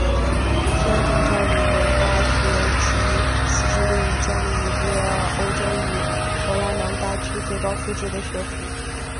天主教鲁汶大学藉此致力于建立一个欧洲与弗拉芒大区最高素质的学府。